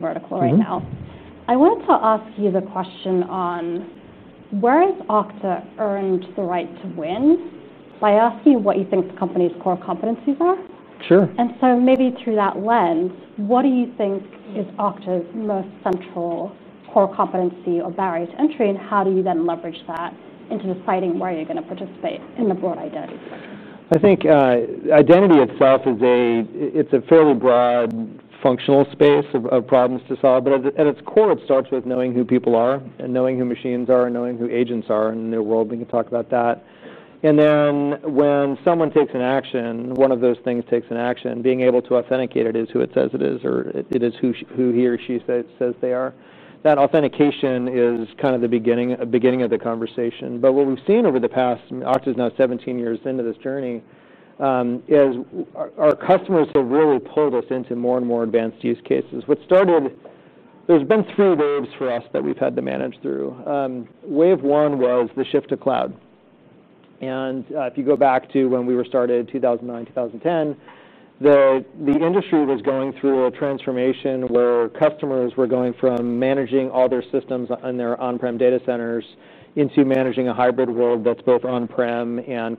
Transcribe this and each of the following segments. Vertical right now. I wanted to ask you the question on where has Okta earned the right to win by asking you what you think the company's core competencies are. Sure. Through that lens, what do you think is Okta's most central core competency or barrier to entry, and how do you then leverage that into deciding where you're going to participate in the broad identity? I think the identity itself is a, it's a fairly broad functional space of problems to solve, but at its core, it starts with knowing who people are and knowing who machines are and knowing who agents are in their world. We can talk about that. When someone takes an action, one of those things takes an action, being able to authenticate it is who it says it is, or it is who he or she says they are. That authentication is kind of the beginning of the conversation. What we've seen over the past, Okta's now 17 years into this journey, is our customers have really pulled us into more and more advanced use cases. There's been three waves for us that we've had to manage through. Wave one was the shift to cloud. If you go back to when we were started in 2009, 2010, the industry was going through a transformation where customers were going from managing all their systems in their on-prem data centers into managing a hybrid world that's both on-prem and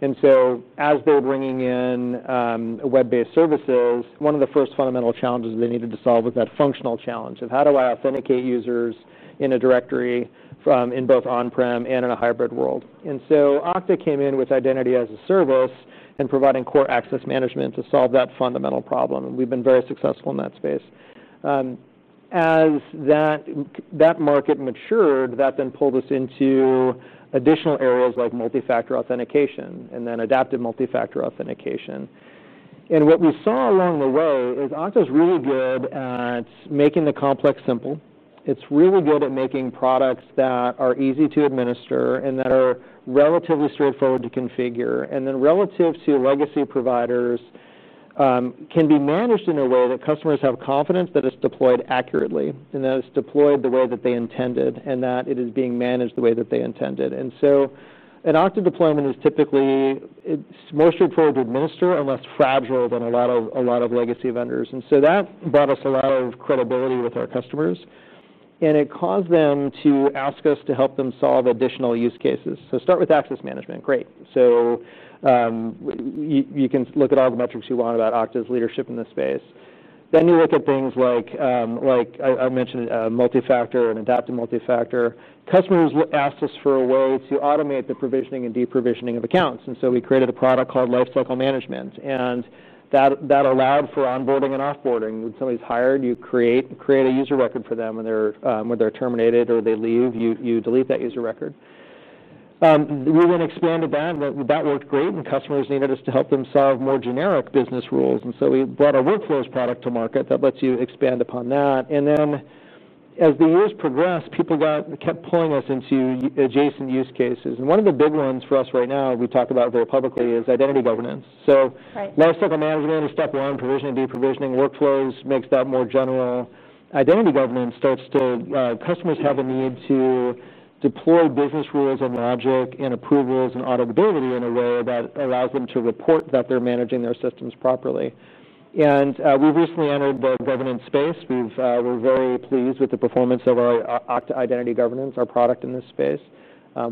cloud-based. As they're bringing in web-based services, one of the first fundamental challenges they needed to solve was that functional challenge of how do I authenticate users in a directory in both on-prem and in a hybrid world? Okta came in with identity as a service and providing core access management to solve that fundamental problem. We've been very successful in that space. As that market matured, that then pulled us into additional areas like multi-factor authentication and then adaptive multi-factor authentication. What we saw along the way is Okta's really good at making the complex simple. It's really good at making products that are easy to administer and that are relatively straightforward to configure. Relative to legacy providers, can be managed in a way that customers have confidence that it's deployed accurately and that it's deployed the way that they intended and that it is being managed the way that they intended. An Okta deployment is typically, it's mostly a perfect administer unless fragile than a lot of legacy vendors. That brought us a lot of credibility with our customers. It caused them to ask us to help them solve additional use cases. Start with access management. Great. You can look at all the metrics you want about Okta's leadership in this space. You look at things like, like I mentioned, multi-factor and adaptive multi-factor. Customers asked us for a way to automate the provisioning and deprovisioning of accounts. We created a product called Lifecycle Management. That allowed for onboarding and offboarding. When somebody's hired, you create a user record for them. When they're terminated or they leave, you delete that user record. We then expanded that. That worked great. Customers needed us to help them solve more generic business rules. We brought our Workflows product to market that lets you expand upon that. As the years progressed, people kept pulling us into adjacent use cases. One of the big ones for us right now, we talk about very publicly, is identity governance. Lifecycle Management is step one, provisioning, deprovisioning, Workflows makes that more general. Identity governance starts to, customers have a need to deploy business rules and logic and approvals and auditability in a way that allows them to report that they're managing their systems properly. We've recently entered the governance space. We're very pleased with the performance of our Okta Identity Governance, our product in this space.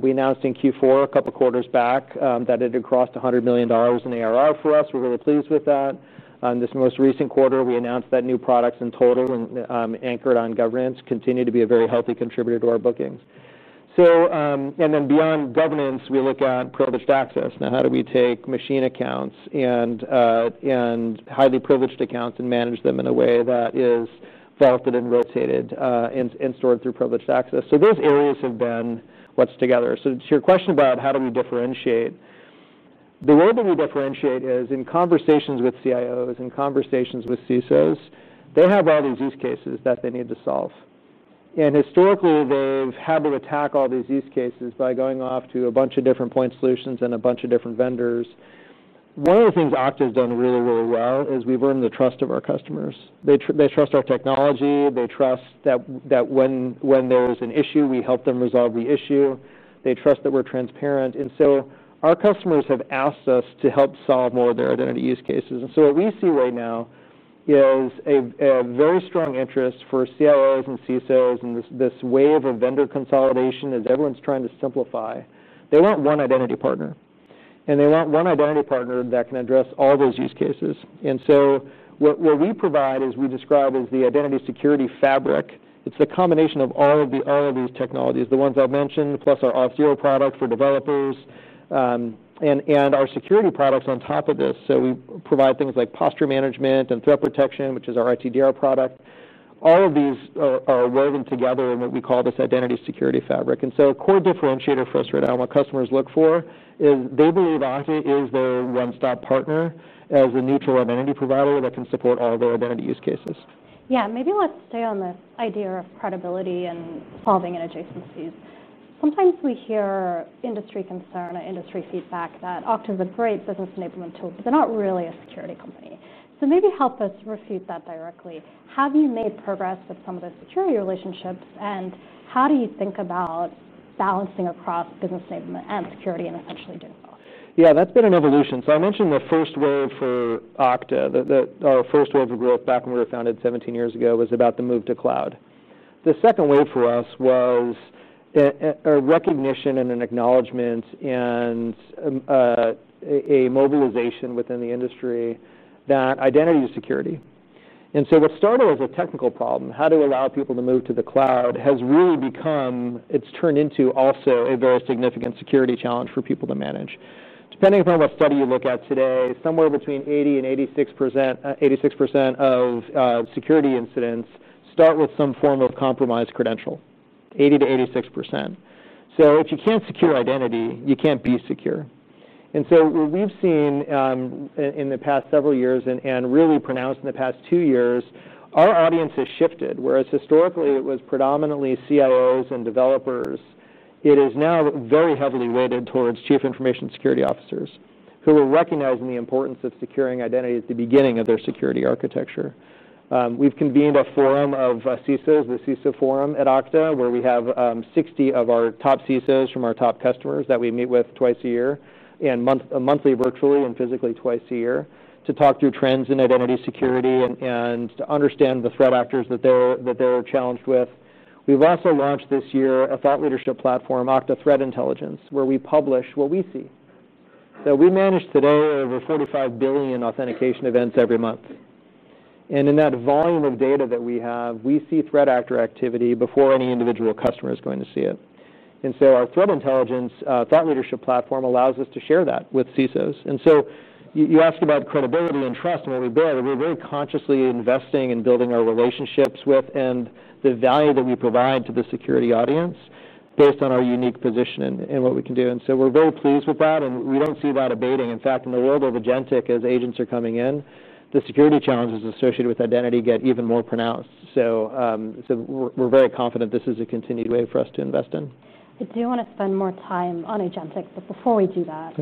We announced in Q4 a couple of quarters back that it had crossed $100 million in ARR for us. We're really pleased with that. This most recent quarter, we announced that new products in total and anchored on governance continue to be a very healthy contributor to our bookings. Beyond governance, we look at privileged access. Now, how do we take machine accounts and highly privileged accounts and manage them in a way that is vaulted and rotated and stored through privileged access? Those areas have been what's together. To your question about how do we differentiate, the way that we differentiate is in conversations with CIOs, in conversations with CISOs, they have all these use cases that they need to solve. Historically, they've had to attack all these use cases by going off to a bunch of different point solutions and a bunch of different vendors. One of the things Okta's done really, really well is we've earned the trust of our customers. They trust our technology. They trust that when there's an issue, we help them resolve the issue. They trust that we're transparent. Our customers have asked us to help solve more of their identity use cases. What we see right now is a very strong interest for CIOs and CISOs in this wave of vendor consolidation as everyone's trying to simplify. They want one identity partner. They want one identity partner that can address all those use cases. What we provide is what we describe as the identity security fabric. It's the combination of all of these technologies, the ones I'll mention, plus our Auth0 product for developers, and our security products on top of this. We provide things like posture management and threat protection, which is our ITDR product. All of these are woven together in what we call this identity security fabric. A core differentiator for us right now, what customers look for is they believe Okta is their one-stop partner as a neutral identity provider that can support all their identity use cases. Yeah, maybe let's stay on the idea of credibility and solving adjacencies. Sometimes we hear industry concern and industry feedback that Okta is a great business enablement tool, but they're not really a security company. Maybe help us refute that directly. Have you made progress with some of the security relationships? How do you think about balancing across business enablement and security in a central agenda? Yeah, that's been an evolution. I mentioned the first wave for Okta, that our first wave of growth back when we were founded 17 years ago was about the move to cloud. The second wave for us was a recognition and an acknowledgment and a mobilization within the industry that identity is security. What started as a technical problem, how to allow people to move to the cloud, has really become, it's turned into also a very significant security challenge for people to manage. Depending upon what study you look at today, somewhere between 80% and 86% of security incidents start with some form of compromised credential, 80% to 86%. If you can't secure identity, you can't be secure. What we've seen in the past several years and really pronounced in the past two years, our audience has shifted. Whereas historically it was predominantly CIOs and developers, it is now very heavily weighted towards Chief Information Security Officers who are recognizing the importance of securing identity at the beginning of their security architecture. We've convened a forum of CISOs, the Okta CISO Forum, where we have 60 of our top CISOs from our top customers that we meet with twice a year and monthly virtually and physically twice a year to talk through trends in identity security and to understand the threat actors that they're challenged with. We've also launched this year a thought leadership platform, Okta Threat Intelligence, where we publish what we see. Now we manage today over 45 billion authentication events every month. In that volume of data that we have, we see threat actor activity before any individual customer is going to see it. Our threat intelligence thought leadership platform allows us to share that with CISOs. You asked about credibility and trust and what we build. We're very consciously investing in building our relationships with and the value that we provide to the security audience based on our unique position and what we can do. We're very pleased with that. We don't see that abating. In fact, in the world of agentic, as agents are coming in, the security challenges associated with identity get even more pronounced. We're very confident this is a continued way for us to invest in. I do want to spend more time on agentic, but before we do that,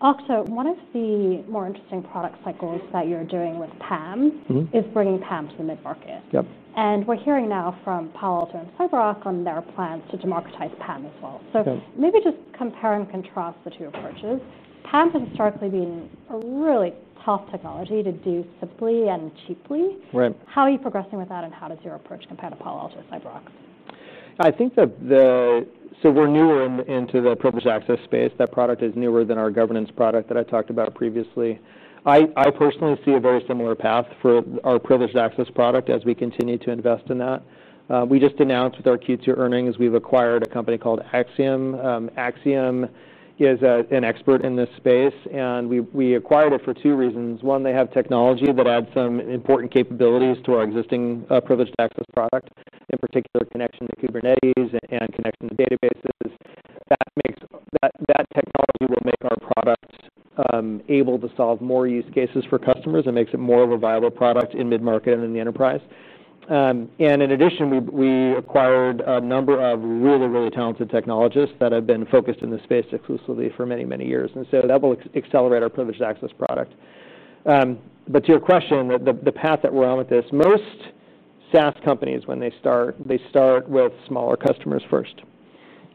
Okta, one of the more interesting product cycles that you're doing with Privileged Access Management is bringing Privileged Access Management to the mid-market. We're hearing now from Palo Alto and CyberArk on their plans to democratize Privileged Access Management as well. Maybe just compare and contrast the two approaches. Privileged Access Management has historically been a really tough technology to do simply and cheaply. How are you progressing with that and how does your approach compare to Palo Alto CyberArk? I think that we're newer into the privileged access space. That product is newer than our governance product that I talked about previously. I personally see a very similar path for our privileged access product as we continue to invest in that. We just announced with our Q2 earnings, we've acquired a company called Axiom. Axiom is an expert in this space. We acquired it for two reasons. One, they have technology that adds some important capabilities to our existing privileged access product, in particular connection to Kubernetes and connection to databases. That technology will make our product able to solve more use cases for customers and makes it more of a viable product in mid-market and in the enterprise. In addition, we acquired a number of really, really talented technologists that have been focused in this space exclusively for many, many years. That will accelerate our privileged access product. To your question, the path that we're on with this, most SaaS companies, when they start, they start with smaller customers first.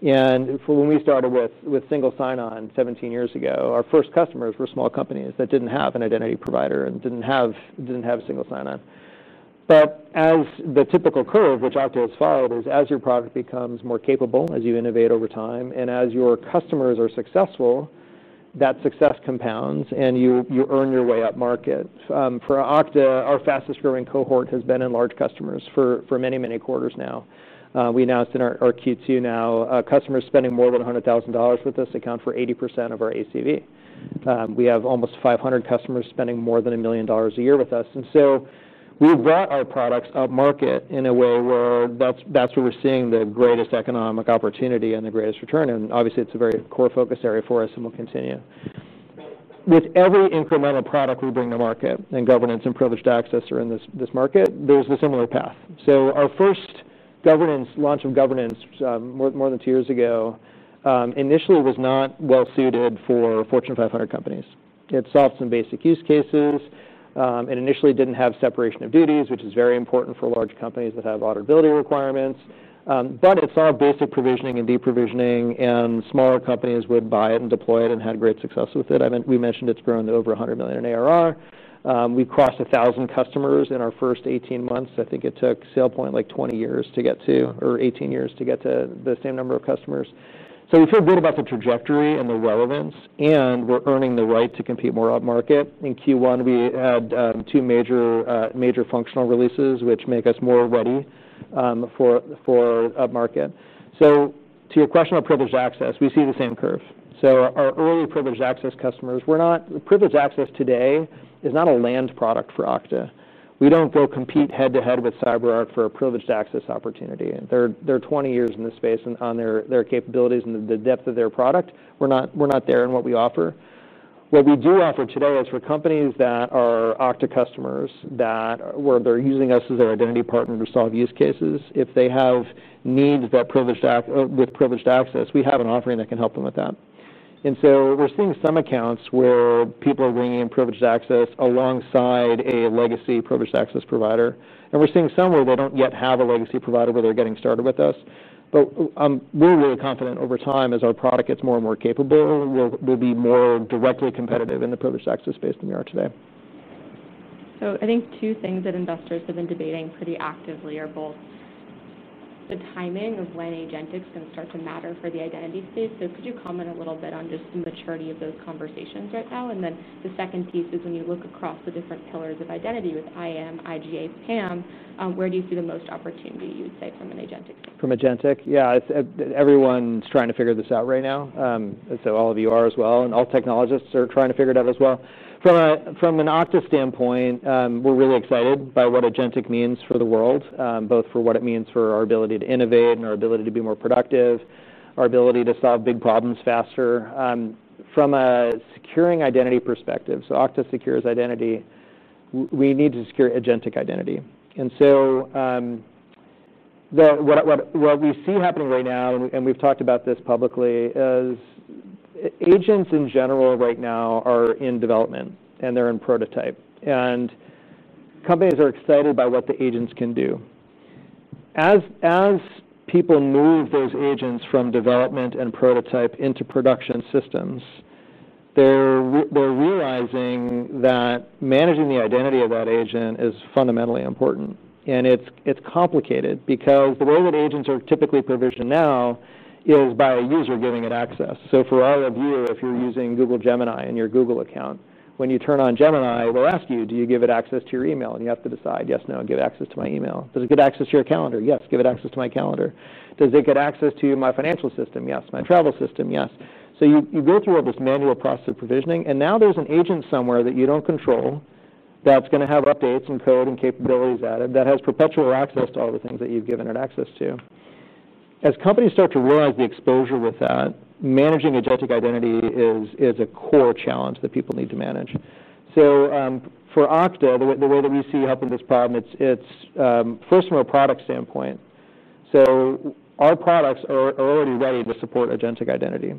When we started with single sign-on 17 years ago, our first customers were small companies that didn't have an identity provider and didn't have single sign-on. The typical curve, which Okta has followed, is as your product becomes more capable, as you innovate over time, and as your customers are successful, that success compounds and you earn your way up market. For Okta, our fastest growing cohort has been in large customers for many, many quarters now. We announced in our Q2, customers spending more than $100,000 with us account for 80% of our ACV. We have almost 500 customers spending more than $1 million a year with us. We've brought our products up market in a way where that's where we're seeing the greatest economic opportunity and the greatest return. Obviously, it's a very core focus area for us and will continue. With every incremental product we bring to market and governance and privileged access are in this market, there's a similar path. Our first launch of governance more than two years ago initially was not well suited for Fortune 500 companies. It solved some basic use cases. It initially didn't have separation of duties, which is very important for large companies that have auditability requirements. It saw basic provisioning and deprovisioning and smaller companies would buy it and deploy it and had great success with it. We mentioned it's grown to over $100 million in ARR. We crossed 1,000 customers in our first 18 months. I think it took SailPoint like 20 years to get to, or 18 years to get to the same number of customers. We feel good about the trajectory and the relevance and we're earning the right to compete more up market. In Q1, we had two major functional releases, which make us more ready for up market. To your question on privileged access, we see the same curve. Our early privileged access customers, we're not, privileged access today is not a land product for Okta. We don't go compete head-to-head with CyberArk for a privileged access opportunity. They're 20 years in this space and on their capabilities and the depth of their product. We're not there in what we offer. What we do offer today is for companies that are Okta customers where they're using us as their identity partner to solve use cases. If they have needs with privileged access, we have an offering that can help them with that. We're seeing some accounts where people are bringing in privileged access alongside a legacy privileged access provider. We're seeing some where they don't yet have a legacy provider where they're getting started with us. I'm really, really confident over time as our product gets more and more capable, we'll be more directly competitive in the privileged access space than we are today. I think two things that investors have been debating pretty actively are both the timing of when agentic is going to start to matter for the identity space. Could you comment a little bit on just the maturity of those conversations right now? The second piece is when you look across the different pillars of identity with IAM, IGA, PAM, where do you see the most opportunity you'd say from an agentic standpoint? From agentic, yeah, everyone's trying to figure this out right now. All of you are as well. All technologists are trying to figure it out as well. From an Okta standpoint, we're really excited by what agentic means for the world, both for what it means for our ability to innovate and our ability to be more productive, our ability to solve big problems faster. From a securing identity perspective, Okta secures identity, we need to secure agentic identity. What we see happening right now, and we've talked about this publicly, is agents in general right now are in development and they're in prototype. Companies are excited by what the agents can do. As people move those agents from development and prototype into production systems, they're realizing that managing the identity of that agent is fundamentally important. It's complicated because the way that agents are typically provisioned now is by a user giving it access. For our reviewer, if you're using Google Gemini in your Google account, when you turn on Gemini, we'll ask you, do you give it access to your email? You have to decide, yes, no, give access to my email. Does it get access to your calendar? Yes, give it access to my calendar. Does it get access to my financial system? Yes. My travel system? Yes. You go through all this manual process of provisioning. Now there's an agent somewhere that you don't control that's going to have updates and code and capabilities added that has perpetual access to all the things that you've given it access to. As companies start to realize the exposure with that, managing agentic identity is a core challenge that people need to manage. For Okta, the way that we see helping this problem, it's first from a product standpoint. Our products are already ready to support agentic identity.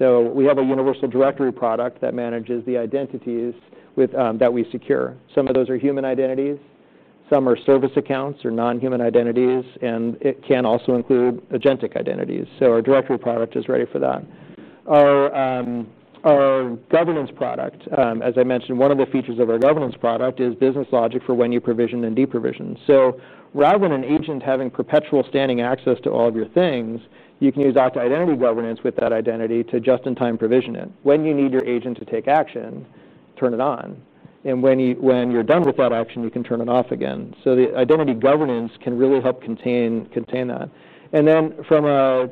We have a Universal Directory product that manages the identities that we secure. Some of those are human identities. Some are service accounts or non-human identities. It can also include agentic identities. Our directory product is ready for that. Our governance product, as I mentioned, one of the features of our governance product is business logic for when you provision and deprovision. Rather than an agent having perpetual standing access to all of your things, you can use Okta Identity Governance with that identity to just-in-time provision it. When you need your agent to take action, turn it on. When you're done with that action, you can turn it off again. The identity governance can really help contain that. From a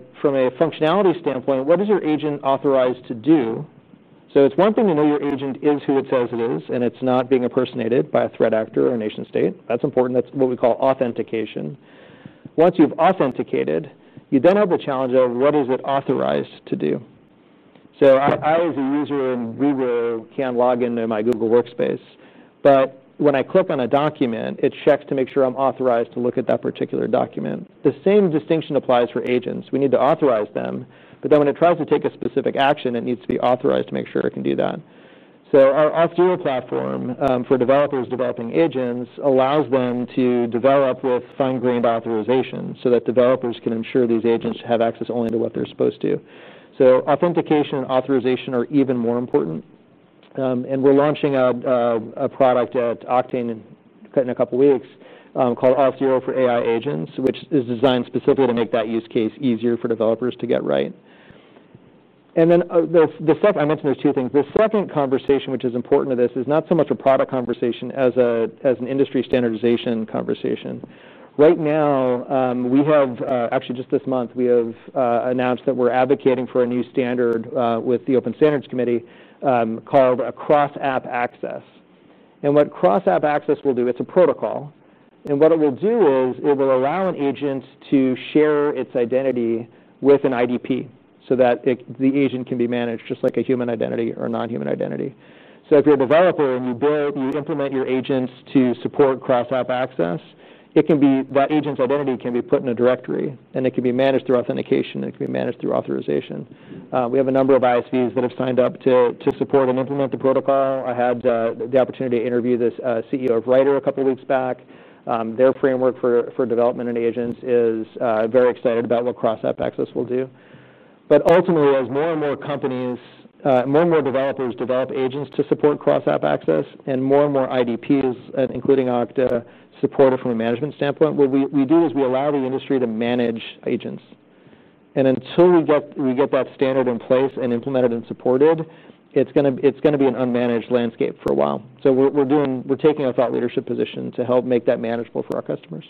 functionality standpoint, what is your agent authorized to do? It's one thing to know your agent is who it says it is, and it's not being impersonated by a threat actor or a nation state. That's important. That's what we call authentication. Once you've authenticated, you then have the challenge of what is it authorized to do. I was a user in Google and can log into my Google Workspace. When I click on a document, it checks to make sure I'm authorized to look at that particular document. The same distinction applies for agents. We need to authorize them. When it tries to take a specific action, it needs to be authorized to make sure it can do that. Our Auth0 platform for developers developing agents allows them to develop with fine-grained authorization so that developers can ensure these agents have access only to what they're supposed to. Authentication and authorization are even more important. We're launching a product at Okta in a couple of weeks called Auth0 for AI Agents, which is designed specifically to make that use case easier for developers to get right. The stuff I mentioned, there's two things. The second conversation, which is important to this, is not so much a product conversation as an industry standardization conversation. Right now, we have actually just this month, we have announced that we're advocating for a new standard with the Open Standards Committee called a cross-app access. What cross-app access will do, it's a protocol. What it will do is it will allow an agent to share its identity with an IDP so that the agent can be managed just like a human identity or a non-human identity. If you're a developer and you build, you implement your agents to support cross-app access, that agent's identity can be put in a directory. It can be managed through authentication. It can be managed through authorization. We have a number of ISVs that have signed up to support and implement the protocol. I had the opportunity to interview the CEO of Ryder a couple of weeks back. Their framework for development and agents is very excited about what cross-app access will do. Ultimately, as more and more companies, more and more developers develop agents to support cross-app access and more and more IDPs, including Okta, support it from a management standpoint, what we do is we allow the industry to manage agents. Until we get that standard in place and implemented and supported, it's going to be an unmanaged landscape for a while. We're taking a thought leadership position to help make that manageable for our customers.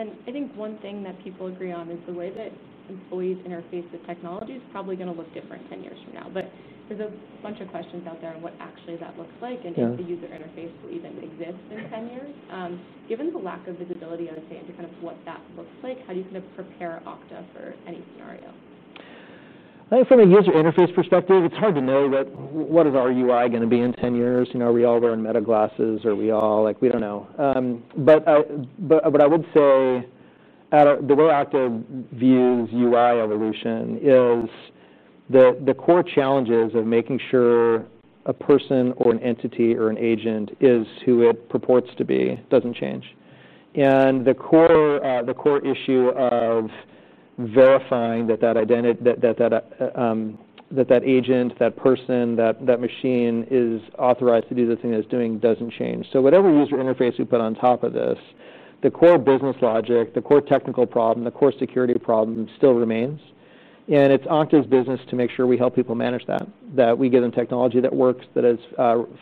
I think one thing that people agree on is the way that employees interface with technology is probably going to look different 10 years from now. There are a bunch of questions out there on what actually that looks like and if the user interface will even exist in 10 years. Given the lack of visibility into kind of what that looks like, how do you kind of prepare Okta for any scenario? I think from a user interface perspective, it's hard to know what our UI is going to be in 10 years. Are we all wearing meta glasses? Are we all like, we don't know. What I would say, the way Okta views UI evolution is that the core challenges of making sure a person or an entity or an agent is who it purports to be doesn't change. The core issue of verifying that that agent, that person, that machine is authorized to do the thing that it's doing doesn't change. Whatever user interface we put on top of this, the core business logic, the core technical problem, the core security problem still remains. It's Okta's business to make sure we help people manage that, that we give them technology that works, that has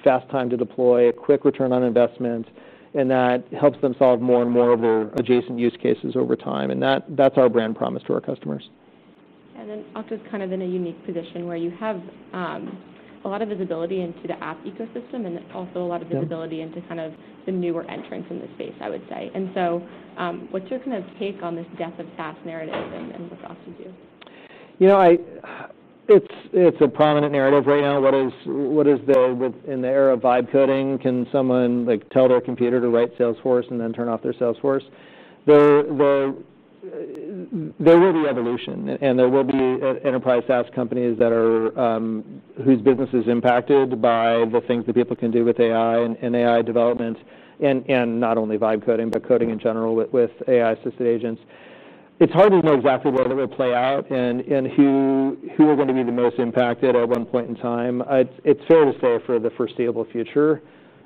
fast time to deploy, a quick return on investment, and that helps them solve more and more of their adjacent use cases over time. That's our brand promise to our customers. Okta is kind of in a unique position where you have a lot of visibility into the app ecosystem and also a lot of visibility into kind of the newer entrants in this space, I would say. What's your kind of take on this death of SaaS narrative and what's Okta's view? You know, it's a prominent narrative right now. What is the, in the era of vibe coding, can someone tell their computer to write Salesforce and then turn off their Salesforce? There will be evolution, and there will be enterprise SaaS companies whose business is impacted by the things that people can do with AI and AI development and not only vibe coding, but coding in general with AI-assisted agents. It's hard to know exactly where it will play out and who are going to be the most impacted at one point in time. It's fair to say for the foreseeable future,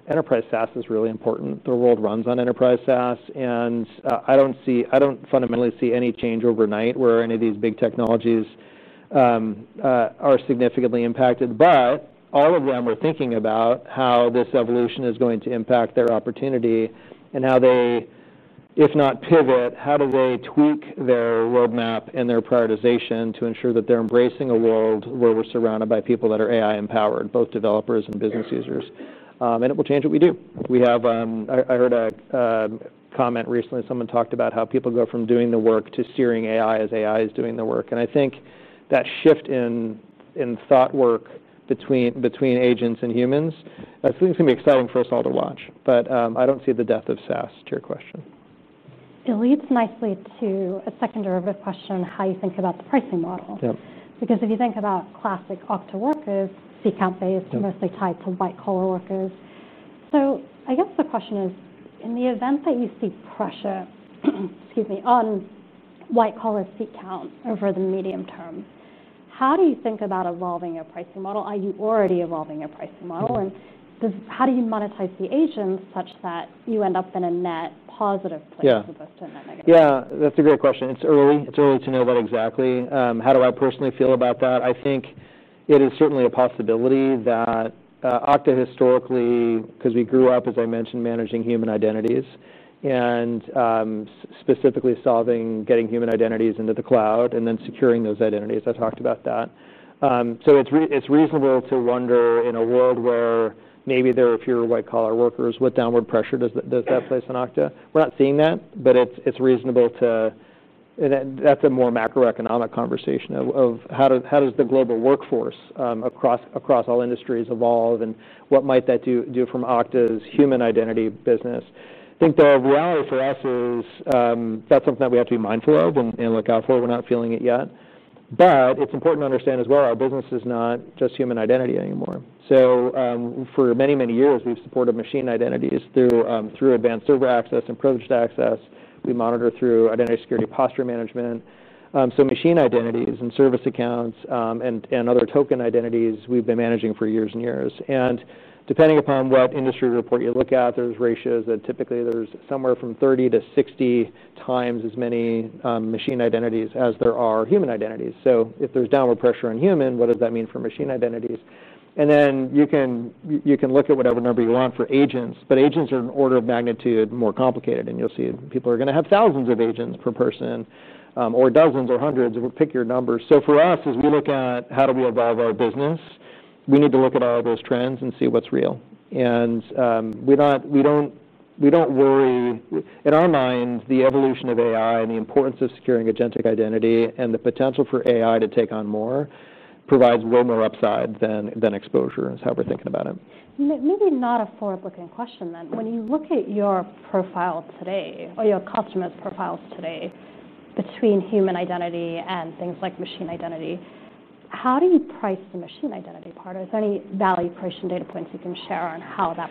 enterprise SaaS is really important. The world runs on enterprise SaaS. I don't fundamentally see any change overnight where any of these big technologies are significantly impacted. All of them are thinking about how this evolution is going to impact their opportunity and how they, if not pivot, how do they tweak their roadmap and their prioritization to ensure that they're embracing a world where we're surrounded by people that are AI-empowered, both developers and business users. It will change what we do. I heard a comment recently, someone talked about how people go from doing the work to seeing AI as AI is doing the work. I think that shift in thought work between agents and humans, I think it's going to be exciting for us all to watch. I don't see the death of SaaS to your question. It leads nicely to a secondary question on how you think about the pricing model. Because if you think about classic Okta workers, seat count based mostly tied to white-collar workers. I guess the question is, in the event that you see pressure, excuse me, on white-collar seat count over the medium term, how do you think about evolving your pricing model? Are you already evolving your pricing model? How do you monetize the agents such that you end up in a net positive place as opposed to a net negative? Yeah, that's a great question. It's early to know that exactly. How do I personally feel about that? I think it is certainly a possibility that Okta historically, because we grew up, as I mentioned, managing human identities and specifically solving getting human identities into the cloud and then securing those identities, I talked about that. It's reasonable to wonder in a world where maybe there are fewer white-collar workers, what downward pressure does that place on Okta? We're not seeing that, but it's reasonable to, and that's a more macroeconomic conversation of how does the global workforce across all industries evolve and what might that do from Okta's human identity business? I think the reality for us is that's something that we have to be mindful of and look out for. We're not feeling it yet. It's important to understand as well, our business is not just human identity anymore. For many, many years, we've supported machine identities through advanced server access and privileged access. We monitor through Identity Security Posture Management. Machine identities and service accounts and other token identities we've been managing for years and years. Depending upon what industry report you look at, there's ratios that typically there's somewhere from 30 to 60 times as many machine identities as there are human identities. If there's downward pressure on human, what does that mean for machine identities? You can look at whatever number you want for agents. Agents are an order of magnitude more complicated. You'll see people are going to have thousands of agents per person or dozens or hundreds, pick your numbers. For us, as we look at how do we evolve our business, we need to look at all those trends and see what's real. We don't worry. In our minds, the evolution of AI and the importance of securing agentic identity and the potential for AI to take on more provides way more upside than exposure is how we're thinking about it. Maybe not a forward-looking question then. When you look at your profile today or your customer's profiles today between human identity and things like machine identity, how do you price the machine identity part? Are there any value creation data points you can share on how that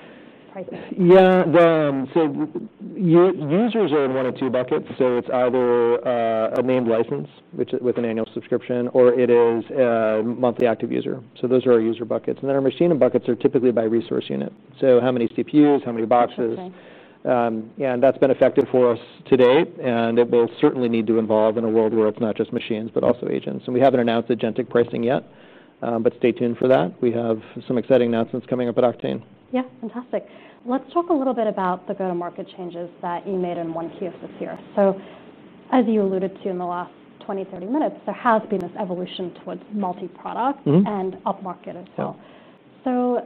price is? Users are in one of two buckets. It is either a named license with an annual subscription or it is a monthly active user. Those are our user buckets. Our machine buckets are typically by resource unit, such as how many CPUs or how many boxes. That has been effective for us to date. It will certainly need to evolve in a world where it is not just machines but also agents. We have not announced agentic pricing yet. Stay tuned for that. We have some exciting announcements coming up at Octane. Yeah, fantastic. Let's talk a little bit about the go-to-market changes that you made in Q1 of this year. As you alluded to in the last 20 or 30 minutes, there has been this evolution towards multi-product and up-market as well.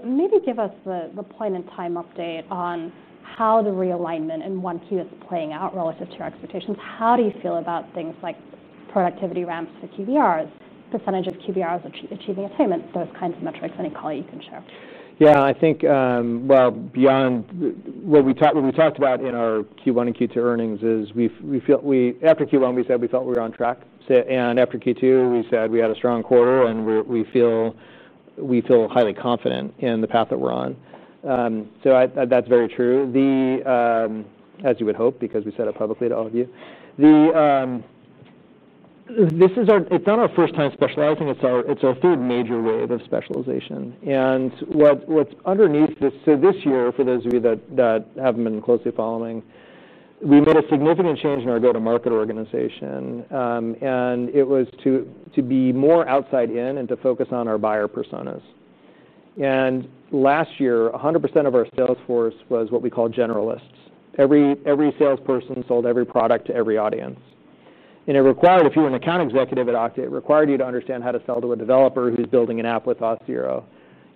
Maybe give us the point-in-time update on how the realignment in Q1 is playing out relative to your expectations. How do you feel about things like productivity ramps for QBRs, % of QBRs achieving attainment, those kinds of metrics? Any color you can share? Yeah, I think beyond what we talked about in our Q1 and Q2 earnings is we feel after Q1, we said we felt we were on track. After Q2, we said we had a strong quarter and we feel highly confident in the path that we're on. That's very true, as you would hope, because we said it publicly to all of you. This is not our first time specializing. It's our third major wave of specialization. What's underneath this, this year, for those of you that haven't been closely following, we made a significant change in our go-to-market organization. It was to be more outside in and to focus on our buyer personas. Last year, 100% of our sales force was what we call generalists. Every salesperson sold every product to every audience. It required, if you were an account executive at Okta, it required you to understand how to sell to a developer who's building an app with Auth0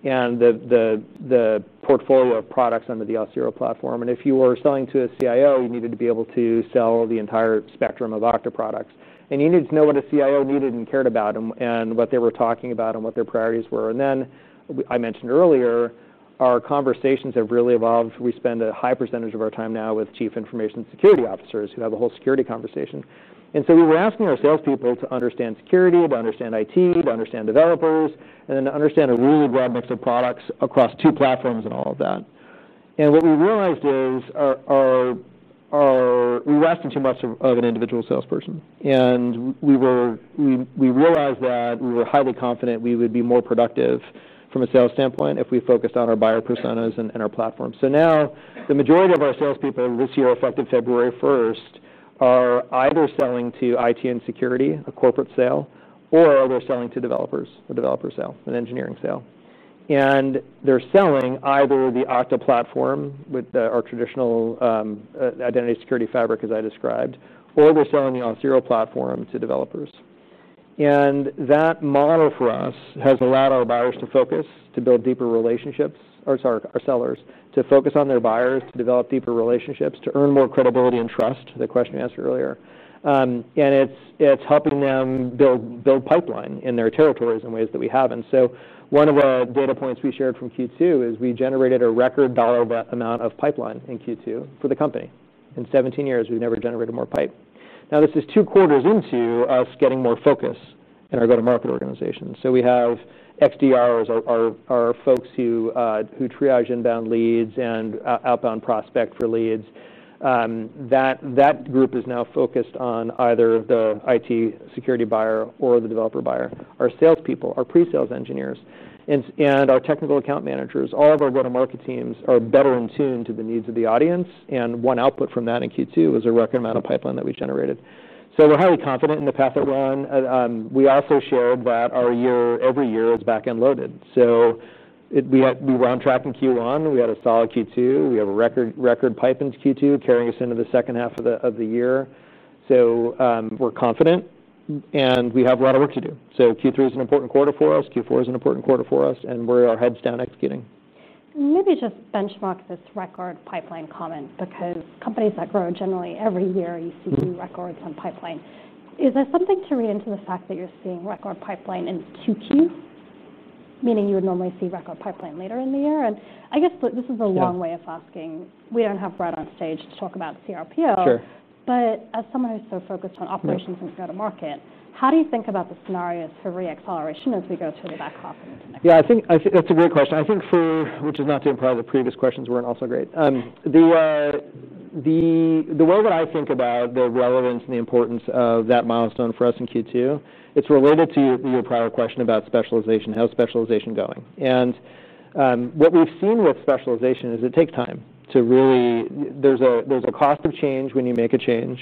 and the portfolio of products under the Auth0 platform. If you were selling to a CIO, you needed to be able to sell the entire spectrum of Okta products. You needed to know what a CIO needed and cared about and what they were talking about and what their priorities were. I mentioned earlier, our conversations have really evolved. We spend a high % of our time now with Chief Information Security Officers who have a whole security conversation. We were asking our salespeople to understand security, to understand IT, to understand developers, and then to understand a really broad mix of products across two platforms and all of that. What we realized is we were asking too much of an individual salesperson. We realized that we were highly confident we would be more productive from a sales standpoint if we focused on our buyer personas and our platform. Now the majority of our salespeople this year, reflected February 1, are either selling to IT and security, a corporate sale, or they're selling to developers, a developer sale, an engineering sale. They're selling either the Okta platform with our traditional identity security fabric, as I described, or they're selling the Auth0 platform to developers. That model for us has allowed our buyers to focus, to build deeper relationships, or sorry, our sellers to focus on their buyers, to develop deeper relationships, to earn more credibility and trust, the question you asked earlier. It's helping them build pipeline in their territories in ways that we haven't. One of our data points we shared from Q2 is we generated a record dollar amount of pipeline in Q2 for the company. In 17 years, we've never generated more pipe. This is two quarters into us getting more focus in our go-to-market organization. We have XDR, our folks who triage inbound leads and outbound prospect for leads. That group is now focused on either the IT security buyer or the developer buyer, our salespeople, our pre-sales engineers, and our technical account managers. All of our go-to-market teams are better in tune to the needs of the audience. One output from that in Q2 was a record amount of pipeline that we generated. We're highly confident in the path that we're on. We also shared that our year, every year, is back and loaded. We were on track in Q1. We had a solid Q2. We have a record pipe into Q2 carrying us into the second half of the year. We're confident. We have a lot of work to do. Q3 is an important quarter for us. Q4 is an important quarter for us. We're our heads down executing. Maybe just benchmark this record pipeline comment because companies that grow generally every year, you see two records on pipeline. Is there something to read into the fact that you're seeing record pipeline in Q2, meaning you would normally see record pipeline later in the year? I guess this is a long way of asking. We don't have Brett on stage to talk about CRPO. Sure. As someone who's so focused on operations and go-to-market, how do you think about the scenarios for re-acceleration as we go to the backlog? Yeah, I think that's a great question. I think for, which is not to imply the previous questions weren't also great. The way that I think about the relevance and the importance of that milestone for us in Q2, it's related to your prior question about specialization, how is specialization going? What we've seen with specialization is it takes time to really, there's a cost of change when you make a change.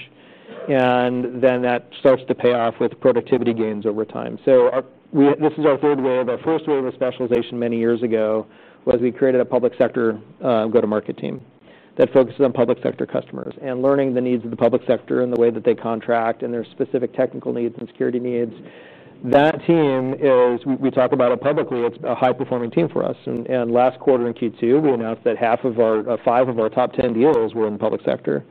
That starts to pay off with productivity gains over time. This is our third wave. Our first wave of specialization many years ago was we created a public sector go-to-market team that focuses on public sector customers and learning the needs of the public sector and the way that they contract and their specific technical needs and security needs. That team is, we talk about it publicly, it's a high-performing team for us. Last quarter in Q2, we announced that half of our five of our top 10 deals were in the public sector.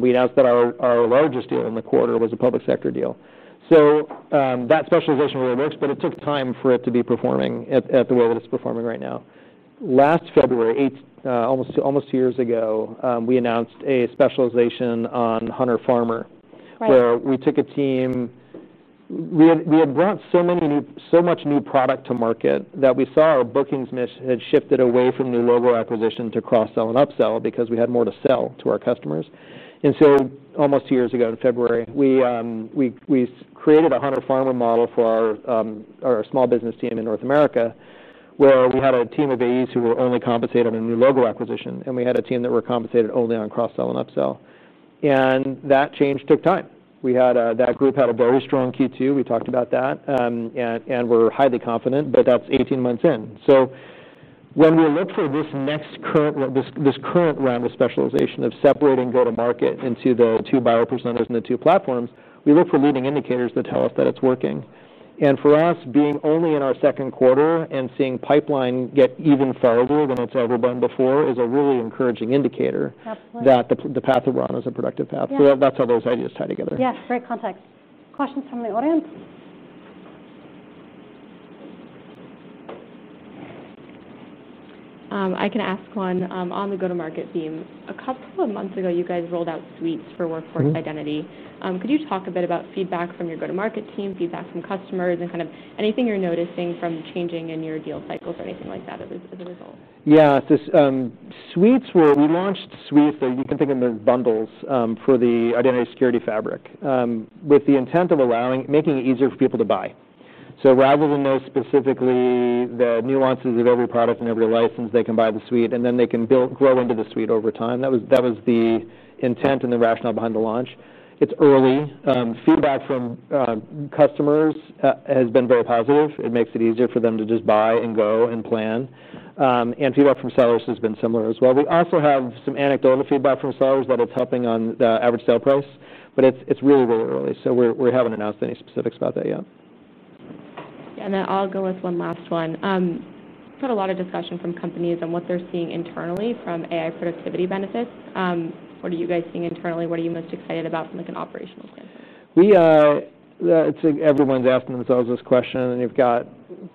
We announced that our largest deal in the quarter was a public sector deal. That specialization really works, but it took time for it to be performing at the way that it's performing right now. Last February, almost two years ago, we announced a specialization on Hunter Farmer. Where we took a team, we had brought so much new product to market that we saw our bookings had shifted away from the logo acquisition to cross-sell and upsell because we had more to sell to our customers. Almost two years ago in February, we created a Hunter Farmer model for our small business team in North America where we had a team of AEs who were only compensated on new logo acquisition, and we had a team that were compensated only on cross-sell and upsell. That change took time. That group had a very strong Q2. We talked about that, and we're highly confident that that's 18 months in. When we look for this next current round of specialization of separating go-to-market into the two buyer personas and the two platforms, we look for leading indicators that tell us that it's working. For us, being only in our second quarter and seeing pipeline get even farther than it's ever been before is a really encouraging indicator that the path that we're on is a productive path. That's how those ideas tie together. Yes, great context. Questions from the audience? I can ask one on the go-to-market theme. A couple of months ago, you guys rolled out suites for workforce identity. Could you talk a bit about feedback from your go-to-market team, feedback from customers, and anything you're noticing from changing in your deal cycles or anything like that as a result? Yeah, suites, we launched suites. You can think of them as bundles for the identity security fabric with the intent of making it easier for people to buy. Rather than know specifically the nuances of every product and every license, they can buy the suite and then they can grow into the suite over time. That was the intent and the rationale behind the launch. It's early. Feedback from customers has been very positive. It makes it easier for them to just buy and go and plan. Feedback from sellers has been similar as well. We also have some anecdotal feedback from sellers that are topping on the average sale price. It's really, really early. We haven't announced any specifics about that yet. Yeah, I'll go with one last one. We've got a lot of discussion from companies on what they're seeing internally from AI productivity benefits. What are you guys seeing internally? What are you most excited about from like an operational plan? It's like everyone's asking themselves this question. You've got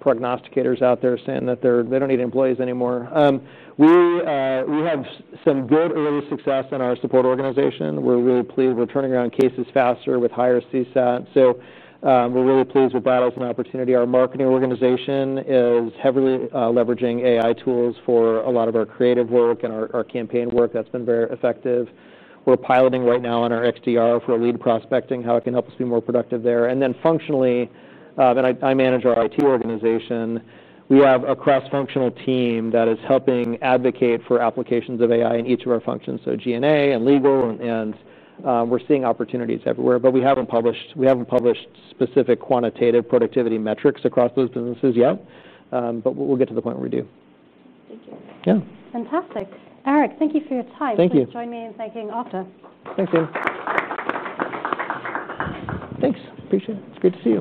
prognosticators out there saying that they don't need employees anymore. We have some good early success in our support organization. We're really pleased. We're turning around cases faster with higher CSAT. We're really pleased with battles and opportunity. Our marketing organization is heavily leveraging AI tools for a lot of our creative work and our campaign work. That's been very effective. We're piloting right now on our XDR for lead prospecting, how it can help us be more productive there. Functionally, I manage our IT organization. We have a cross-functional team that is helping advocate for applications of AI in each of our functions, GNA and legal. We're seeing opportunities everywhere. We haven't published specific quantitative productivity metrics across those businesses yet. We'll get to the point where we do. Thank you. Yeah. Fantastic. Eric, thank you for your time. Thank you. Thanks for joining me and thanking Okta. Thanks, David. Appreciate it. It's great to see you.